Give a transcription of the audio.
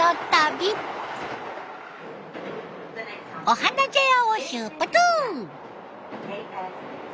お花茶屋を出発。